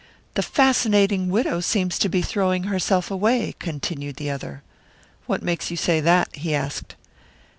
"The fascinating widow seems to be throwing herself away," continued the other. "What makes you say that?" he asked.